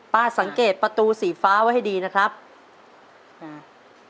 ป้าสังเกตประตูสีฟ้าไว้ให้ดีนะครับอ่า